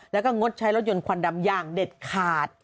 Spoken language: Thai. แล้วก็งดใช้รถยนต์ควันดำอย่างเด็ดขาด